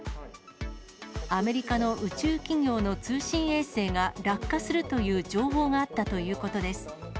アメリカの宇宙企業の通信衛星が落下するという情報があったということです。